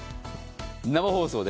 生放送です。